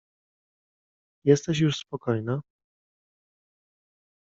"Jesteś już spokojna?"